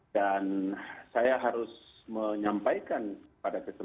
dan saya harus menyampaikan pada kesempatan kemudian